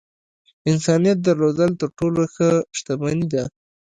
انسانيت درلودل تر ټولو ښۀ شتمني ده .